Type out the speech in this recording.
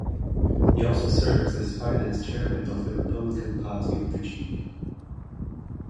He also serves as finance chairman of the Republican Party of Virginia.